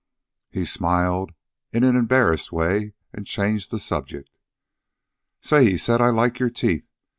He smiled in an embarrassed way and changed the subject. "Say," he said, "I like your teeth.